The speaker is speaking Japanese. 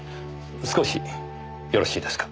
少しよろしいですか。